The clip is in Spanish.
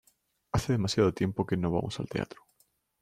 Hace demasiado tiempo que no vamos al teatro.